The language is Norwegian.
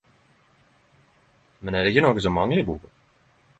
Men er det ikkje noko som manglar i boka?